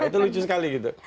itu lucu sekali gitu